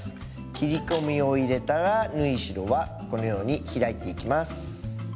切れ込みを入れたら縫い代はこのように開いていきます。